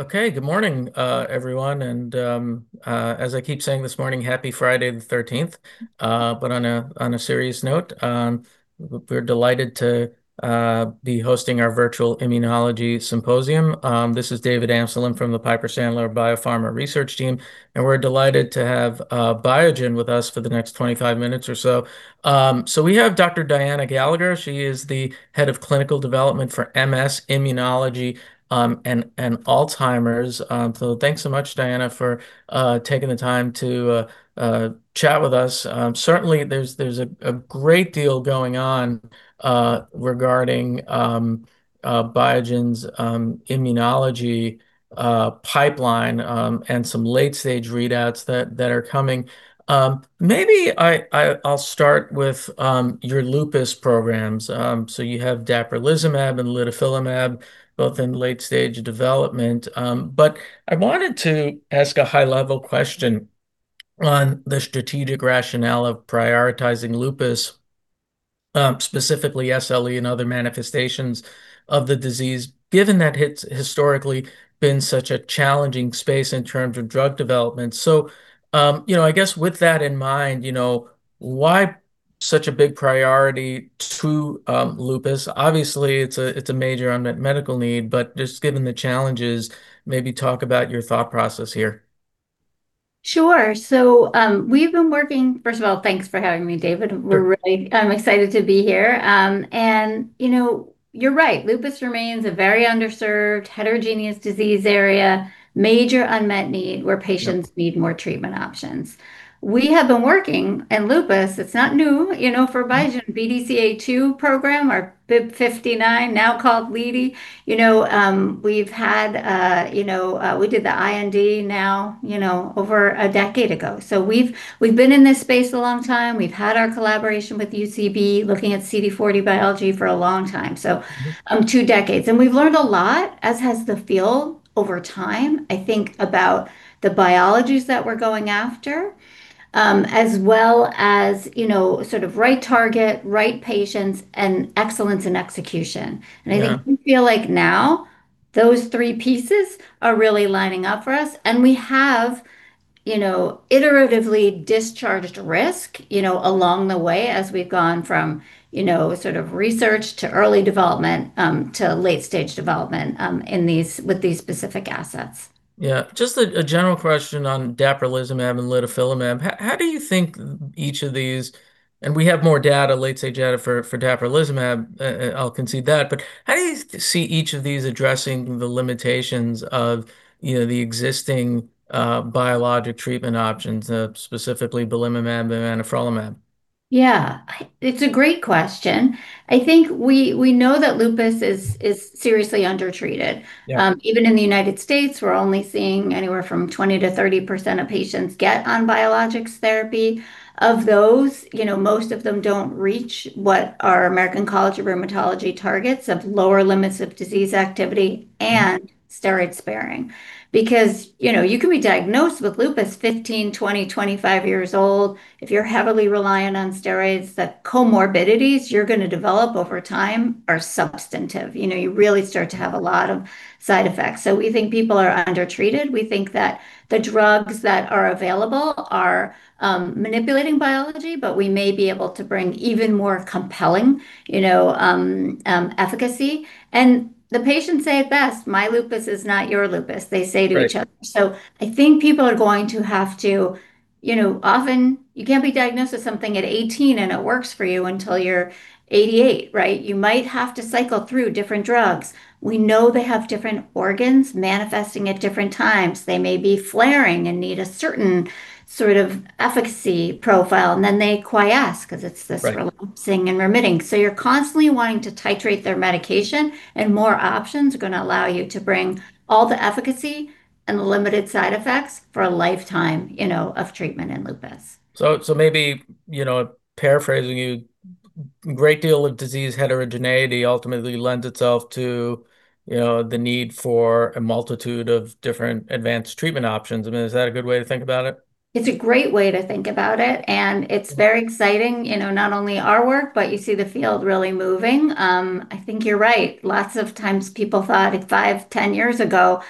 Okay, good morning, everyone, and as I keep saying this morning, happy Friday the 13th. But on a serious note, we're delighted to be hosting our Virtual Immunology Symposium. This is David Amsellem from the Piper Sandler Biopharma Research team, and we're delighted to have Biogen with us for the next 25 minutes or so. So we have Dr. Diana Gallagher. She is the Head of Clinical Development for MS, Immunology, and Alzheimer's. So thanks so much, Diana, for taking the time to chat with us. Certainly there's a great deal going on regarding Biogen's immunology pipeline and some late-stage readouts that are coming. Maybe I'll start with your lupus programs. So you have dapirolizumab and litifilimab, both in late-stage development. But I wanted to ask a high-level question on the strategic rationale of prioritizing lupus, specifically SLE and other manifestations of the disease, given that it's historically been such a challenging space in terms of drug development. So, you know, I guess with that in mind, you know, why such a big priority to lupus? Obviously, it's a major unmet medical need, but just given the challenges, maybe talk about your thought process here. Sure. So, we've been working. First of all, thanks for having me, David. Sure. We're really excited to be here. You know, you're right, lupus remains a very underserved, heterogeneous disease area, major unmet need- Yeah -where patients need more treatment options. We have been working in lupus, it's not new, you know, for Biogen. Mm-hmm. BDCA2 program, or BIIB059, now called litifilimab. You know, we've had, you know, we did the IND now, you know, over a decade ago. So we've, we've been in this space a long time. We've had our collaboration with UCB, looking at CD40 biology for a long time, so- Mm-hmm -two decades, and we've learned a lot, as has the field, over time, I think, about the biologies that we're going after, as well as, you know, sort of right target, right patients, and excellence in execution. Yeah. I think we feel like now those three pieces are really lining up for us, and we have, you know, iteratively discharged risk, you know, along the way as we've gone from, you know, sort of research to early development, to late-stage development, with these specific assets. Yeah. Just a general question on dapirolizumab and litifilimab. How do you think each of these. And we have more data, late-stage data for dapirolizumab, I'll concede that, but how do you see each of these addressing the limitations of, you know, the existing biologic treatment options, specifically belimumab and anifrolumab? Yeah. It's a great question. I think we know that lupus is seriously undertreated. Yeah. Even in the United States, we're only seeing anywhere from 20%-30% of patients get on biologics therapy. Of those, you know, most of them don't reach what our American College of Rheumatology targets of lower limits of disease activity and steroid-sparing. Because, you know, you can be diagnosed with lupus 15, 20, 25 years old. If you're heavily reliant on steroids, the comorbidities you're going to develop over time are substantive. You know, you really start to have a lot of side effects. So we think people are undertreated. We think that the drugs that are available are manipulating biology, but we may be able to bring even more compelling, you know, efficacy. And the patients say it best: "My lupus is not your lupus," they say to each other. Right. I think people are going to have to. You know, often, you can't be diagnosed with something at 18, and it works for you until you're 88, right? You might have to cycle through different drugs. We know they have different organs manifesting at different times. They may be flaring and need a certain sort of efficacy profile, and then they quiesce because it's- Right -this relapsing and remitting. So you're constantly wanting to titrate their medication, and more options are going to allow you to bring all the efficacy and limited side effects for a lifetime, you know, of treatment in lupus. So, maybe, you know, paraphrasing you, great deal of disease heterogeneity ultimately lends itself to, you know, the need for a multitude of different advanced treatment options. I mean, is that a good way to think about it? It's a great way to think about it, and it's very exciting. You know, not only our work, but you see the field really moving. I think you're right. Lots of times people thought if five, ten years ago,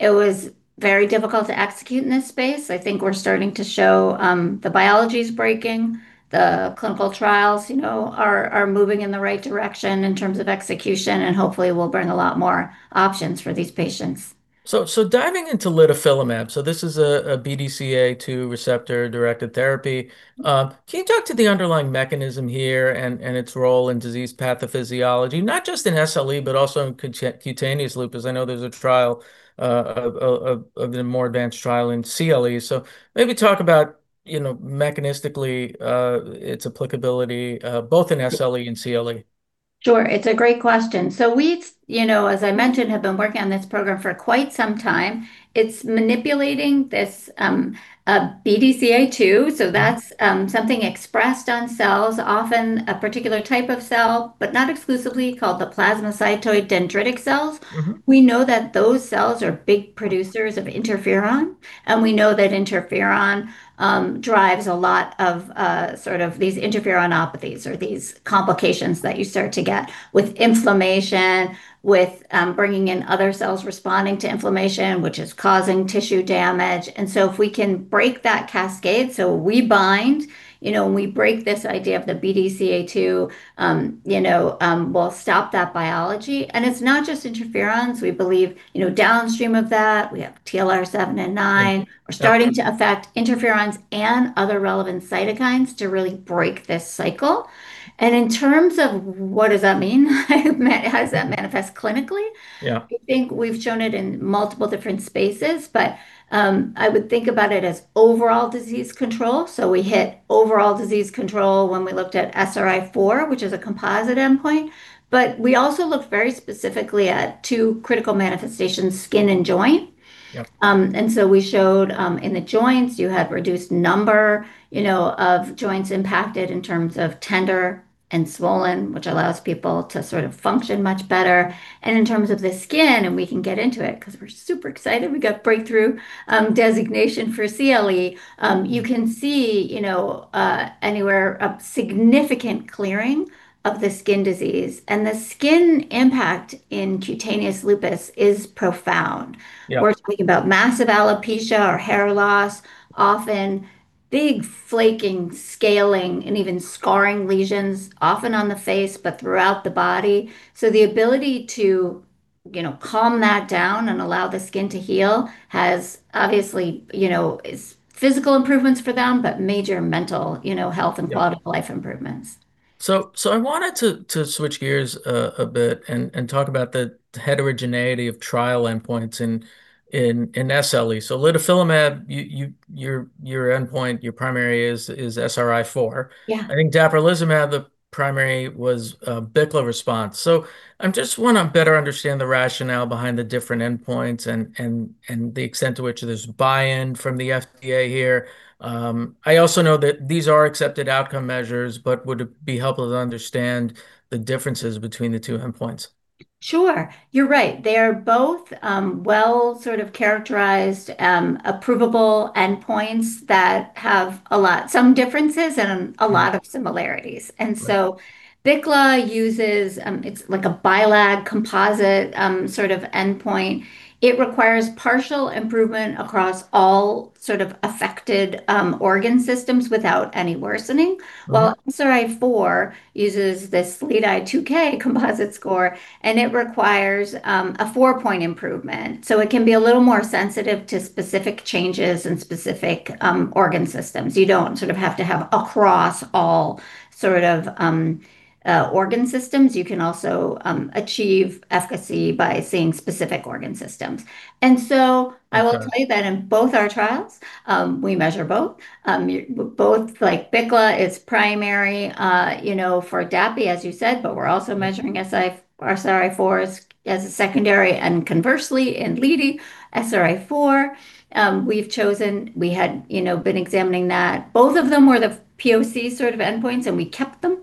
it was very difficult to execute in this space. I think we're starting to show, the biology's breaking, the clinical trials, you know, are moving in the right direction in terms of execution, and hopefully we'll bring a lot more options for these patients. So diving into litifilimab, this is a BDCA2 receptor-directed therapy. Can you talk to the underlying mechanism here and its role in disease pathophysiology, not just in SLE, but also in cutaneous lupus? I know there's a trial, a more advanced trial in CLE. So maybe talk about, you know, mechanistically, its applicability both in SLE- Yeah - and CLE. Sure, it's a great question. So we've, you know, as I mentioned, have been working on this program for quite some time. It's manipulating this BDCA2, so that's something expressed on cells, often a particular type of cell, but not exclusively, called the plasmacytoid dendritic cells. Mm-hmm. We know that those cells are big producers of interferon, and we know that interferon drives a lot of sort of these interferonopathies or these complications that you start to get with inflammation, with bringing in other cells responding to inflammation, which is causing tissue damage. And so if we can break that cascade, so we bind, you know, when we break this idea of the BDCA2, you know, we'll stop that biology. And it's not just interferons. We believe, you know, downstream of that, we have TLR7 and 9. Yeah. We're starting to affect interferons and other relevant cytokines to really break this cycle. In terms of what does that mean? How does that manifest clinically? Yeah. I think we've shown it in multiple different spaces, but, I would think about it as overall disease control. So we hit overall disease control when we looked at SRI-4, which is a composite endpoint, but we also looked very specifically at two critical manifestations: skin and joint. Yep. And so we showed in the joints, you had reduced number, you know, of joints impacted in terms of tender and swollen, which allows people to sort of function much better. And in terms of the skin, and we can get into it because we're super excited, we got breakthrough designation for CLE. You can see, you know, anywhere a significant clearing of the skin disease, and the skin impact in cutaneous lupus is profound. Yeah. We're talking about massive alopecia or hair loss, often big flaking, scaling, and even scarring lesions, often on the face, but throughout the body. So the ability to, you know, calm that down and allow the skin to heal has obviously, you know, is physical improvements for them, but major mental, you know, health- Yeah and quality of life improvements. So I wanted to switch gears a bit and talk about the heterogeneity of trial endpoints in SLE. So litifilimab, your primary endpoint is SRI-4. Yeah. I think dapirolizumab, the primary was BICLA response. So I'm just wanna better understand the rationale behind the different endpoints and the extent to which there's buy-in from the FDA here. I also know that these are accepted outcome measures, but would it be helpful to understand the differences between the two endpoints? Sure. You're right. They are both, well, sort of characterized, approvable endpoints that have a lot—some differences and a lot of similarities. Right. So BICLA uses, it's like a BILAG composite sort of endpoint. It requires partial improvement across all sort of affected organ systems without any worsening. Mm-hmm. Well, SRI-4 uses this SLEDAI-2K composite score, and it requires a 4-point improvement. So it can be a little more sensitive to specific changes in specific organ systems. You don't sort of have to have across all sort of organ systems. You can also achieve efficacy by seeing specific organ systems. Okay. So I will tell you that in both our trials, we measure both. Both, like BICLA is primary, you know, for DZP, as you said, but we're also measuring SRI-4 as a secondary, and conversely, in litifilimab, SRI-4, we've chosen. We had, you know, been examining that. Both of them were the POC sort of endpoints, and we kept them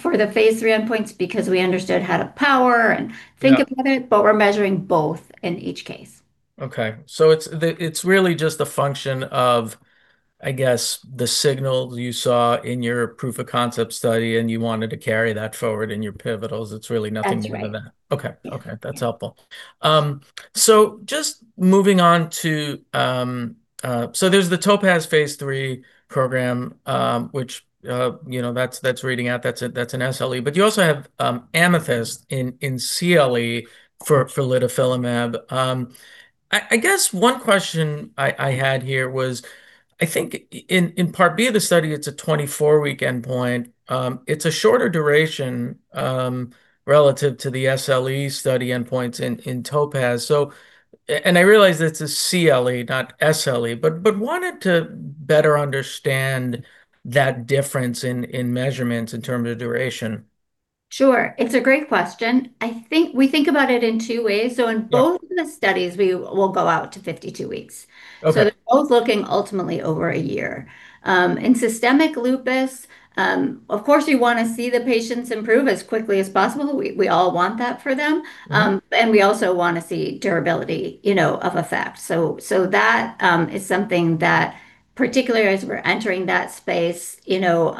for the phase III endpoints because we understood how to power and think about it. Yeah But we're measuring both in each case. Okay. So it's the, it's really just a function of, I guess, the signal you saw in your proof of concept study, and you wanted to carry that forward in your pivotals. It's really nothing more than that. That's right. Okay. Okay. Yeah. That's helpful. So just moving on to, so there's the TOPAZ phase III program, which, you know, that's, that's reading out. That's a, that's an SLE. But you also have, AMETHYST in, in CLE for, for litifilimab. I guess one question I had here was, I think in, in part B of the study, it's a 24-week endpoint. It's a shorter duration, relative to the SLE study endpoints in, in TOPAZ. So, and I realize it's a CLE, not SLE, but wanted to better understand that difference in, in measurements in terms of duration. Sure. It's a great question. We think about it in two ways. Yeah. In both the studies, we will go out to 52 weeks. Okay. So they're both looking ultimately over a year. In systemic lupus, of course, we wanna see the patients improve as quickly as possible. We, we all want that for them. Mm-hmm. We also wanna see durability, you know, of effect. So that is something that, particularly as we're entering that space, you know,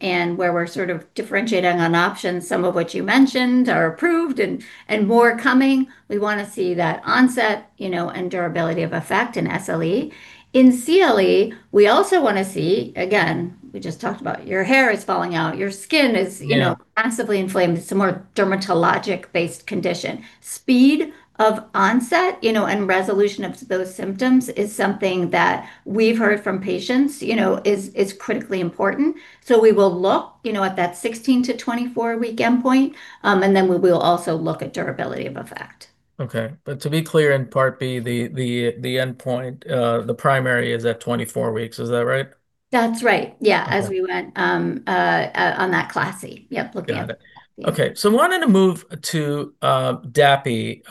and where we're sort of differentiating on options, some of which you mentioned are approved and more coming, we wanna see that onset, you know, and durability of effect in SLE. In CLE, we also wanna see. Again, we just talked about your hair is falling out, your skin is, you know- Yeah -massively inflamed. It's a more dermatologic-based condition. Speed of onset, you know, and resolution of those symptoms is something that we've heard from patients, you know, is, is critically important. So we will look, you know, at that 16-24-week endpoint, and then we will also look at durability of effect. Okay, but to be clear, in part B, the endpoint, the primary is at 24 weeks. Is that right? That's right. Yeah. Okay. As we went on that CLASI. Yep, looking at- Got it. Okay, so I wanted to move to DZP.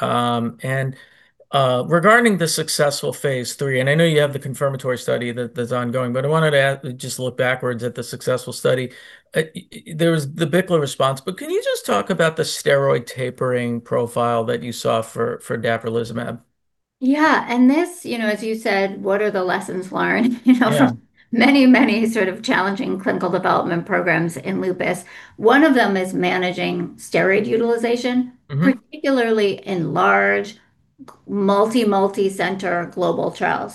And regarding the successful phase III, and I know you have the confirmatory study that's ongoing, but I wanted to ask—just look backwards at the successful study. There was the BICLA response, but can you just talk about the steroid tapering profile that you saw for dapirolizumab? Yeah, and this, you know, as you said, what are the lessons learned? You know- Yeah -from many, many sort of challenging clinical development programs in lupus. One of them is managing steroid utilization- Mm-hmm -particularly in large, multi, multi-center global trials,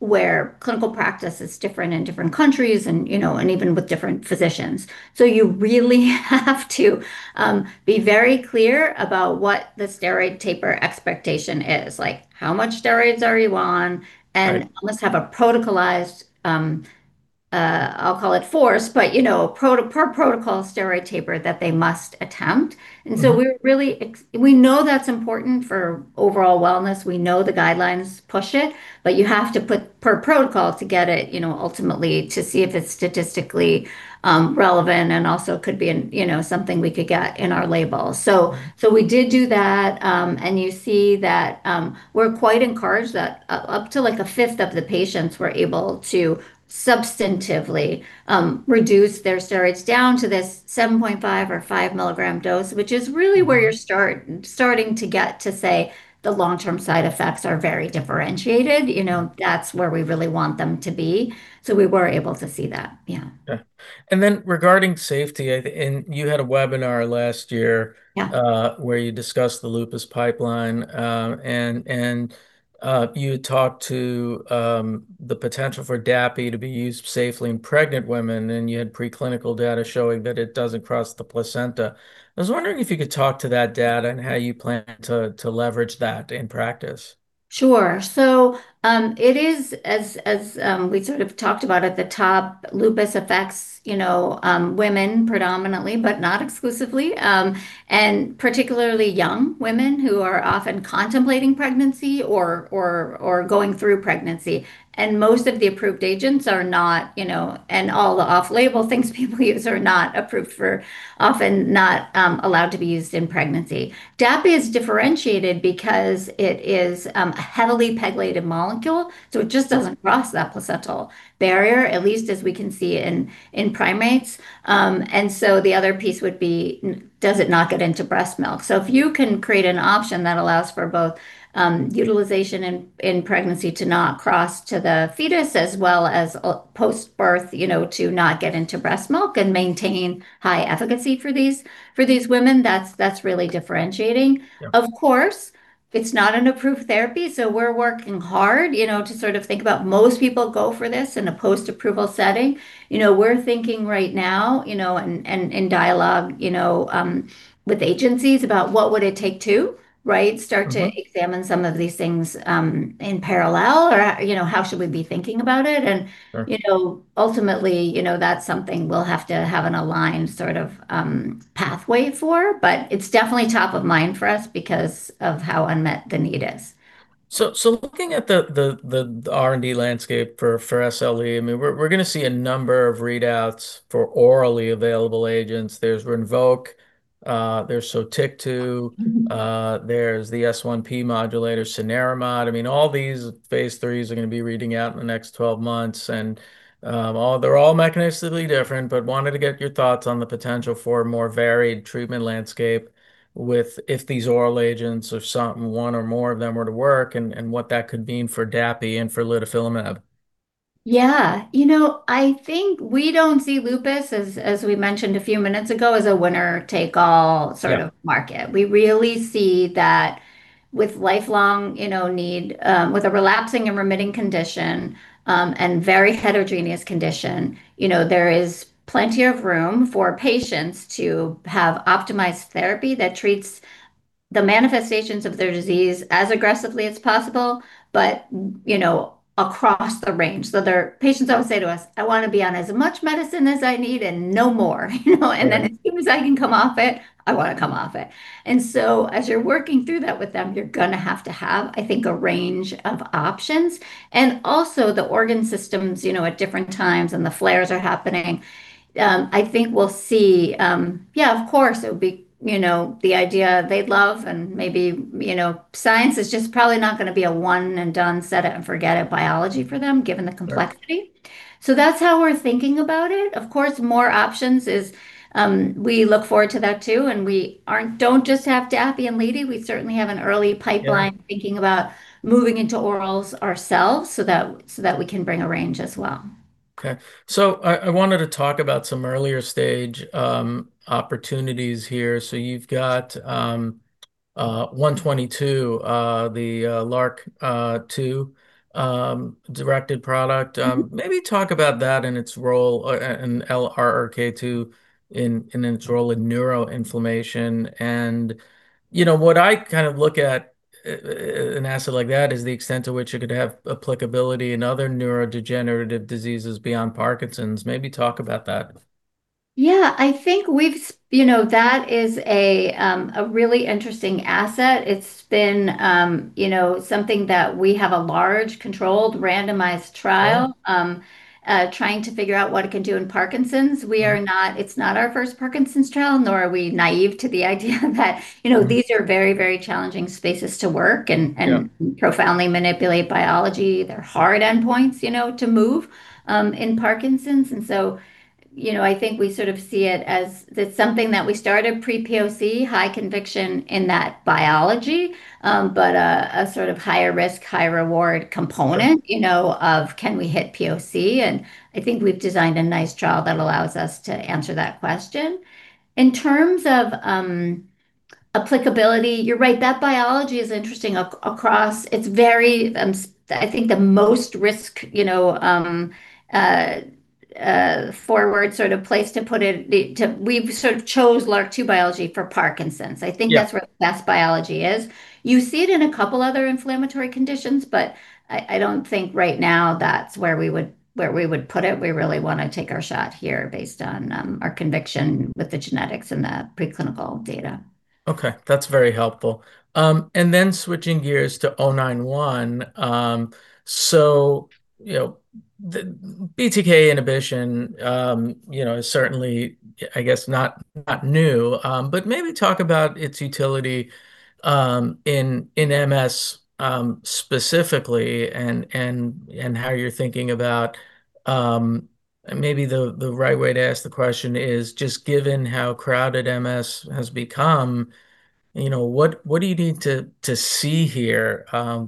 where clinical practice is different in different countries and, you know, and even with different physicians. So you really have to be very clear about what the steroid taper expectation is. Like, how much steroids are you on? Right. Almost have a protocolized, I'll call it force, but, you know, proper protocol steroid taper that they must attempt. Mm-hmm. And so we're really we know that's important for overall wellness. We know the guidelines push it, but you have to put per protocol to get it, you know, ultimately to see if it's statistically relevant, and also could be an, you know, something we could get in our label. So we did do that, and you see that we're quite encouraged that up to, like, a fifth of the patients were able to substantively reduce their steroids down to this 7.5 or 5 mg dose, which is really- Mm-hmm -where you're starting to get to say the long-term side effects are very differentiated. You know, that's where we really want them to be. So we were able to see that. Yeah. Yeah. And then, regarding safety, I think and you had a webinar last year. Yeah -where you discussed the lupus pipeline, and you talked to the potential for Dapi to be used safely in pregnant women, and you had preclinical data showing that it doesn't cross the placenta. I was wondering if you could talk to that data and how you plan to leverage that in practice. Sure. So, it is, as we sort of talked about at the top, lupus affects, you know, women predominantly, but not exclusively, and particularly young women who are often contemplating pregnancy or going through pregnancy. And most of the approved agents are not, you know. And all the off-label things people use are not approved for, often not, allowed to be used in pregnancy. Dapi is differentiated because it is a heavily pegylated molecule, so it just doesn't cross that placental barrier, at least as we can see in primates. And so the other piece would be, does it not get into breast milk? So if you can create an option that allows for both, utilization in pregnancy to not cross to the fetus as well as post-birth, you know, to not get into breast milk and maintain high efficacy for these women, that's really differentiating. Yeah. Of course, it's not an approved therapy, so we're working hard, you know, to sort of think about most people go for this in a post-approval setting. You know, we're thinking right now, you know, and in dialogue, you know, with agencies about what would it take to, right? Mm-hmm. Start to examine some of these things, in parallel, or, you know, how should we be thinking about it? And- Sure -you know, ultimately, you know, that's something we'll have to have an aligned sort of pathway for, but it's definitely top of mind for us because of how unmet the need is. So, looking at the R&D landscape for SLE, I mean, we're gonna see a number of readouts for orally available agents. There's Rinvoq, there's Sotyktu- Mm-hmm -there's the S1P modulator, cenerimod. I mean, all these phase III's are gonna be reading out in the next 12 months, and they're all mechanistically different, but wanted to get your thoughts on the potential for a more varied treatment landscape with if these oral agents or something, one or more of them were to work, and what that could mean for DZP and for litifilimab. Yeah. You know, I think we don't see lupus, as we mentioned a few minutes ago, as a winner-take-all- Yeah -sort of market. We really see that with lifelong, you know, need, with a relapsing and remitting condition, and very heterogeneous condition, you know, there is plenty of room for patients to have optimized therapy that treats the manifestations of their disease as aggressively as possible, but, you know, across the range. So there are patients that will say to us, "I wanna be on as much medicine as I need and no more," you know? Yeah. And then as soon as I can come off it, I wanna come off it." So as you're working through that with them, you're gonna have to have, I think, a range of options. Also the organ systems, you know, at different times, and the flares are happening. I think we'll see. Yeah, of course, it would be, you know, the idea they'd love and maybe, you know, science is just probably not gonna be a one-and-done, set-it-and-forget-it biology for them, given the complexity. Sure. So that's how we're thinking about it. Of course, more options is, we look forward to that too, and we don't just have DZP and litifilimab. We certainly have an early pipeline- Yeah - thinking about moving into orals ourselves so that, so that we can bring a range as well. Okay. So I wanted to talk about some earlier stage opportunities here. So you've got 122, the LRRK2 directed product. Mm-hmm. Maybe talk about that and its role in LRRK2 and its role in neuroinflammation. And, you know, what I kind of look at, an asset like that is the extent to which it could have applicability in other neurodegenerative diseases beyond Parkinson's. Maybe talk about that. Yeah, I think we've, you know, that is a, a really interesting asset. It's been, you know, something that we have a large, controlled, randomized trial- Yeah. trying to figure out what it can do in Parkinson's. Yeah. It's not our first Parkinson's trial, nor are we naive to the idea that- Mm-hmm. You know, these are very, very challenging spaces to work and- Yeah -profoundly manipulate biology. They're hard endpoints, you know, to move, in Parkinson's. And so, you know, I think we sort of see it as that's something that we started pre-POC, high conviction in that biology, but a sort of higher risk, high reward component- Yeah -you know, of can we hit POC? And I think we've designed a nice trial that allows us to answer that question. In terms of applicability, you're right, that biology is interesting across. It's very, I think the most risk, you know, forward sort of place to put it, we sort of chose LRRK2 biology for Parkinson's. Yeah. I think that's where the best biology is. You see it in a couple other inflammatory conditions, but I don't think right now that's where we would put it. We really want to take our shot here based on our conviction with the genetics and the preclinical data. Okay, that's very helpful. And then switching gears to O91. So, you know, the BTK inhibition, you know, is certainly, I guess, not new. But maybe talk about its utility in MS specifically, and how you're thinking about. Maybe the right way to ask the question is, just given how crowded MS has become, you know, what do you need to see here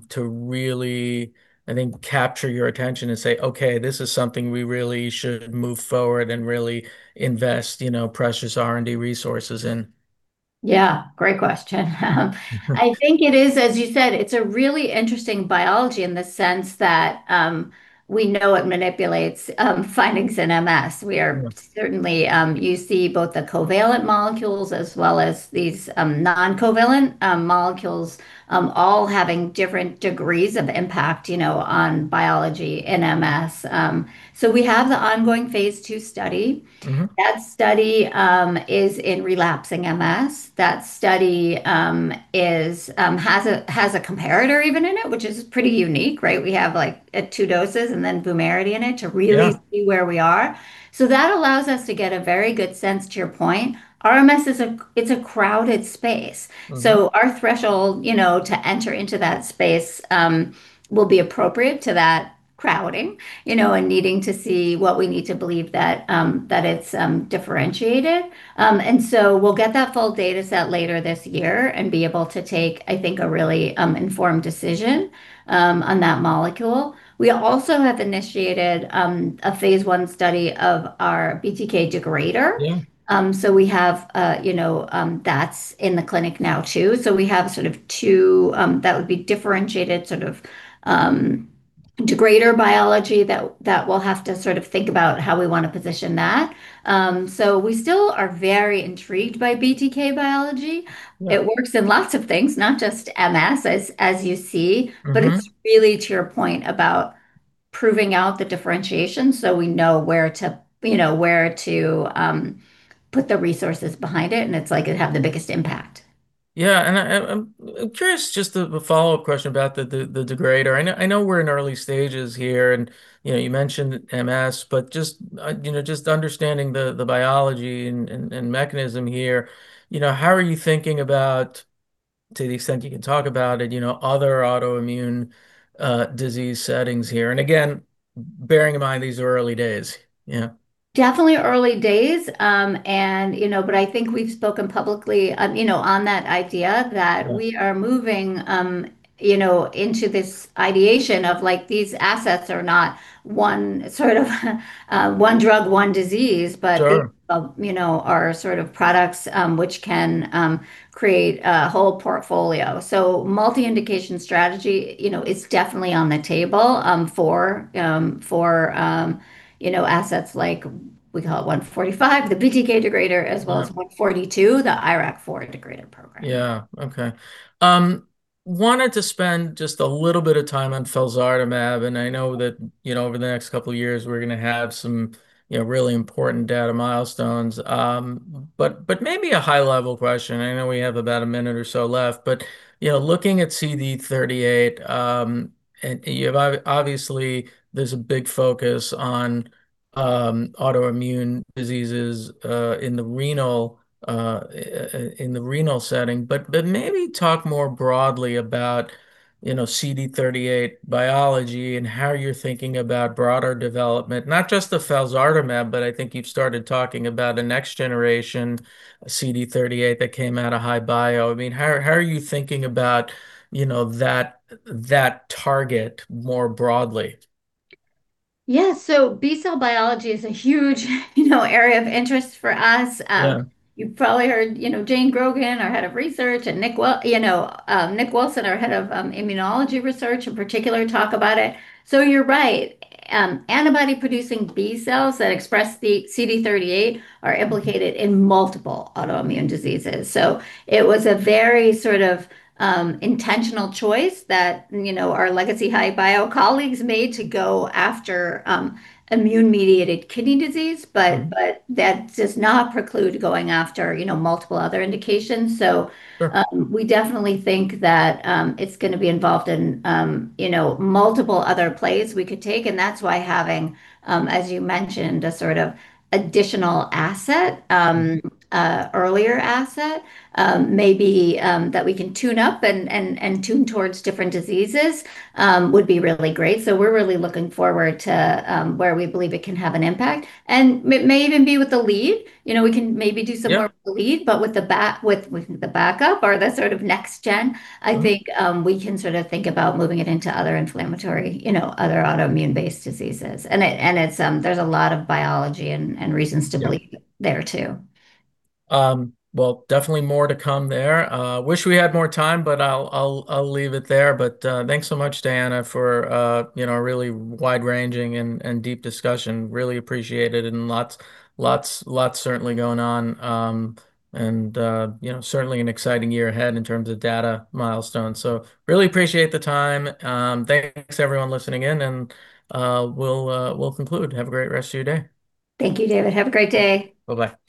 to really, I think, capture your attention and say, "Okay, this is something we really should move forward and really invest, you know, precious R&D resources in? Yeah, great question. I think it is, as you said, it's a really interesting biology in the sense that, we know it manipulates, findings in MS. Yeah. We are certainly, you see, both the covalent molecules as well as these non-covalent molecules all having different degrees of impact, you know, on biology in MS. So we have the ongoing phase II study. Mm-hmm. That study is in relapsing MS. That study has a comparator even in it, which is pretty unique, right? We have, like, two doses and then Vumerity in it- Yeah -to really see where we are. So that allows us to get a very good sense, to your point. RMS is, it's a crowded space. Mm-hmm. So our threshold, you know, to enter into that space, will be appropriate to that crowding, you know, and needing to see what we need to believe that, that it's, differentiated. And so we'll get that full data set later this year and be able to take, I think, a really, informed decision, on that molecule. We also have initiated, a phase I study of our BTK degrader. Yeah. So we have, you know, that's in the clinic now too. So we have sort of two that would be differentiated, sort of, degrader biology that we'll have to sort of think about how we want to position that. So we still are very intrigued by BTK biology. Yeah. It works in lots of things, not just MS, as you see. Mm-hmm. But it's really to your point about proving out the differentiation so we know where to, you know, where to put the resources behind it, and it's likely to have the biggest impact. Yeah, and I'm curious, just a follow-up question about the degrader. I know we're in early stages here, and you know, you mentioned MS, but just you know, just understanding the biology and mechanism here, you know, how are you thinking about, to the extent you can talk about it, you know, other autoimmune disease settings here? And again, bearing in mind, these are early days, yeah. Definitely early days. You know, but I think we've spoken publicly, you know, on that idea. Yeah -that we are moving, you know, into this ideation of, like, these assets are not one sort of- Mm-hmm -one drug, one disease, but- Sure -you know, are sort of products which can create a whole portfolio. So multi-indication strategy, you know, is definitely on the table for you know, assets like we call it 145, the BTK degrader- Right -as well as 142, the IRAK4 degrader program. Yeah. Okay. Wanted to spend just a little bit of time on felzartamab, and I know that, you know, over the next couple of years, we're going to have some, you know, really important data milestones. But maybe a high-level question. I know we have about a minute or so left, but, you know, looking at CD38, and you have, obviously, there's a big focus on autoimmune diseases in the renal setting. But maybe talk more broadly about, you know, CD38 biology and how you're thinking about broader development, not just the felzartamab, but I think you've started talking about a next-generation CD38 that came out of HI-Bio. I mean, how are you thinking about, you know, that target more broadly? Yeah. So B-cell biology is a huge, you know, area of interest for us. Yeah. You've probably heard, you know, Jane Grogan, our head of research, and Nick Wilson, our head of immunology research in particular, talk about it. So you're right, antibody-producing B cells that express the CD38 are implicated in multiple autoimmune diseases. So it was a very sort of intentional choice that, you know, our legacy HI-Bio colleagues made to go after immune-mediated kidney disease. Mm-hmm. But that does not preclude going after, you know, multiple other indications. Sure. So, we definitely think that it's going to be involved in, you know, multiple other plays we could take, and that's why having, as you mentioned, a sort of additional asset, earlier asset, maybe, that we can tune up and tune towards different diseases, would be really great. So we're really looking forward to where we believe it can have an impact. And it may even be with the lead. You know, we can maybe do some more- Yeah -with the lead, but with the backup or the sort of next gen- Mm-hmm I think, we can sort of think about moving it into other inflammatory, you know, other autoimmune-based diseases. And it's, there's a lot of biology and reasons to believe- Yeah -there too. Well, definitely more to come there. Wish we had more time, but I'll leave it there. But thanks so much, Diana, for you know, a really wide-ranging and deep discussion. Really appreciate it, and lots, lots, lots certainly going on, and you know, certainly an exciting year ahead in terms of data milestones. So really appreciate the time. Thanks everyone listening in, and we'll conclude. Have a great rest of your day. Thank you, David. Have a great day. Bye-bye.